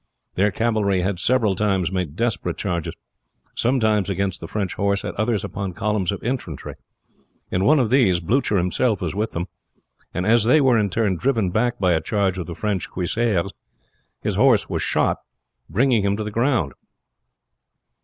Their cavalry had several times made desperate charges; sometimes against the French horse, at others upon columns of infantry. In one of these Blucher himself was with them; and as they were in turn driven back by a charge of the French cuirassiers his horse was shot, bringing him to the ground.